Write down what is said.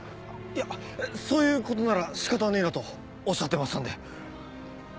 そういうことなら仕方ねえなとおっしゃってましたんで。